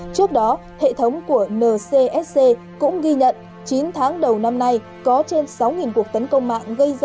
trước đó hệ thống của ncsc cũng ghi nhận chín tháng đầu năm nay có trên sáu cuộc tấn công mạng gây ra